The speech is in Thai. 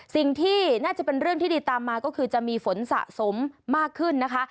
สิ่งที่น่าจะเป็นเรื่องที่ดีตามมาก็คือจะมีฝนสะสมมากขึ้นนะคะ